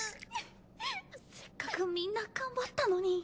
せっかくみんな頑張ったのに。